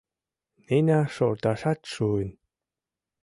— Нина шорташат шуын.